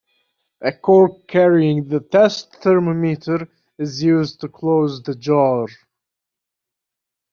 A cork carrying the test thermometer is used to close the jar.